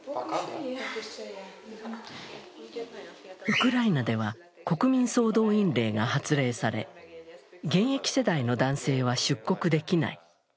ウクライナでは国民総動員令が発令され、現役世代の男性は出国できない。